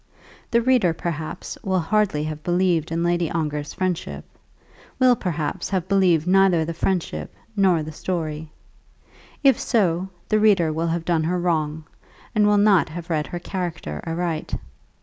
The reader, perhaps, will hardly have believed in Lady Ongar's friendship; will, perhaps, have believed neither the friendship nor the story. If so, the reader will have done her wrong, and will not have read her character aright.